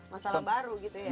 masalah baru gitu ya